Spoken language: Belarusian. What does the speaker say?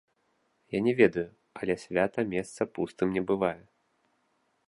Я не ведаю, але свята месца пустым не бывае.